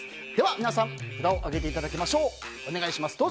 皆さん札を上げていただきましょう。